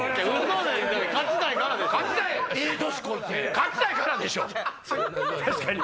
勝ちたいからですよ。